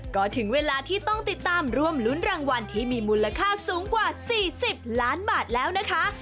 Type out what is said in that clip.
ก็ถึงเวลาที่ต้องติดตามร่วมลุ้นรางวัลที่มีมูลค่าสูงกว่า๔๐ล้านบาทแล้วนะคะ